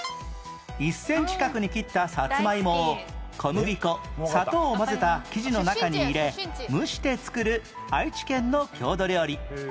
１センチ角に切ったサツマイモを小麦粉砂糖を混ぜた生地の中に入れ蒸して作る愛知県の郷土料理